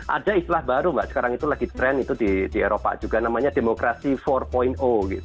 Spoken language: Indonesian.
ada istilah baru mbak sekarang itu lagi tren itu di eropa juga namanya demokrasi empat